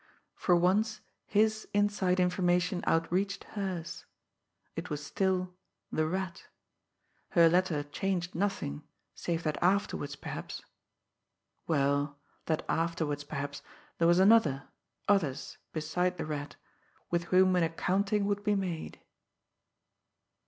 For once, his inside information outreached hers. It was still the Rat. Her letter changed nothing, save that afterwards, perhaps well, that afterwards, perhaps, there was another, others beside the Rat, with whom an accounting would be made!